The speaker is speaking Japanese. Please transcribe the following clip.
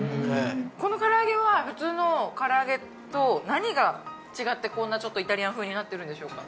このから揚げは普通のから揚げと何が違ってこんなちょっとイタリアン風になってるんでしょうか？